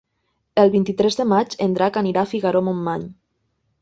El vint-i-tres de maig en Drac anirà a Figaró-Montmany.